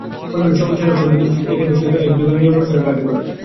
অন্যান্য সকল শাখার সভ্যদের উচিত এই কেন্দ্রের সহিত একযোগে ও নিয়মানুসারে কার্য করা।